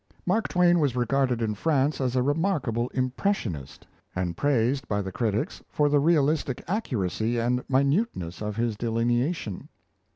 Mark Twain was regarded in France as a remarkable "impressionist" and praised by the critics for the realistic accuracy and minuteness of his delineation.